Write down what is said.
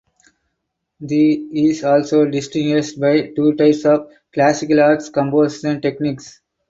The is also distinguished by two types of classical arts composition techniques.